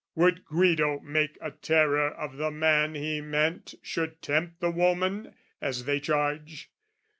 Would Guido make a terror of the man He meant should tempt the woman, as they charge?